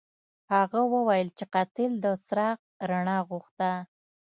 هغه وویل چې قاتل د څراغ رڼا غوښته.